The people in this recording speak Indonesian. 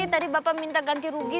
tadi bapak minta ganti rugi